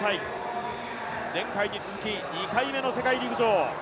前回に続き、２回目の世界陸上。